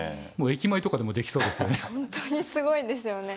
駅前とかでもできそうですよね。